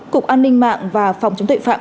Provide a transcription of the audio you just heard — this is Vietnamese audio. cục an ninh mạng và phòng chống tội phạm